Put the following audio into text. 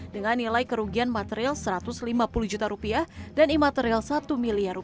dengan nilai kerugian material rp satu ratus lima puluh juta dan imaterial rp satu miliar